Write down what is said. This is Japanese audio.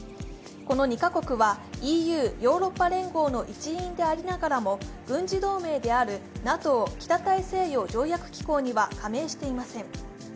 この２カ国はＥＵ＝ヨーロッパ連合の一員でありながらも、軍事同盟であるＮＡＴＯ＝北大西洋条約機構には加盟していません。